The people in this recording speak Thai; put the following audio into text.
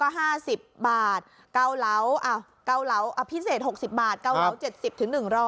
เก่าเหล้าพิเศษ๖๐บาทเก่าเหล้า๗๐๑๐๐บาท